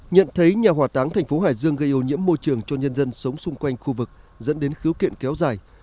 nhận thấy nhà hỏa táng thành phố hải dương gây ô nhiễm môi trường cho nhân dân sống xung quanh khu vực dẫn đến khiếu kiện kéo dài